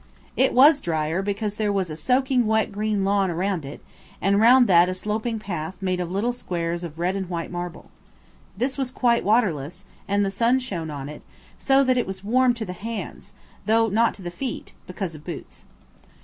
It was dryer because there was a soaking wet green lawn round it, and round that a sloping path made of little squares of red and white marble. This was quite waterless, and the sun shone on it, so that it was warm to the hands, though not to the feet, because of boots.